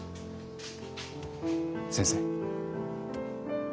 先生。